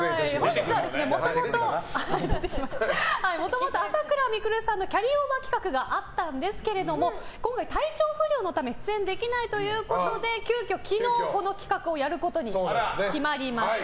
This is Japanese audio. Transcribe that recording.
もともと朝倉未来さんのキャリーオーバー企画があったんですけれども今回体調不良のため出演できないということで急きょ、昨日この企画をやることに決まりました。